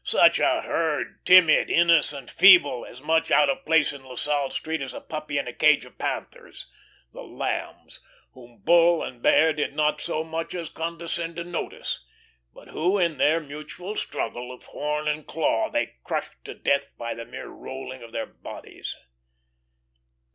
Such a herd, timid, innocent, feeble, as much out of place in La Salle Street as a puppy in a cage of panthers; the Lambs, whom Bull and Bear did not so much as condescend to notice, but who, in their mutual struggle of horn and claw, they crushed to death by the mere rolling of their bodies.